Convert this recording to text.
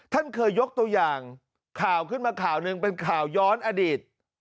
ท่านเคยยกตัวอย่างข่าวขึ้นมาข่าวหนึ่งเป็นข่าวย้อนอดีต